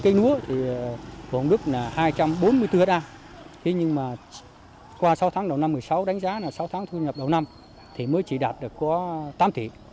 cây núa của hồng đức là hai trăm bốn mươi bốn ha nhưng qua sáu tháng đầu năm hai nghìn một mươi sáu đánh giá là sáu tháng thu nhập đầu năm mới chỉ đạt được có tám tỷ